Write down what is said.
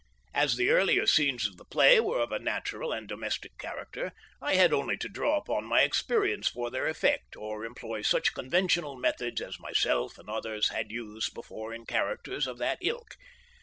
As the earlier scenes of the play were of a natural and domestic character, I had only to draw upon my experience for their effect, or employ such conventional methods as myself and others had used before in characters of that ilk.